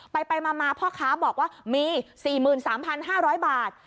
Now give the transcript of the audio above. ไปมาพ่อค้าบอกว่ามี๔๓๕๐๐บาท